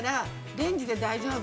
レンジで大丈夫？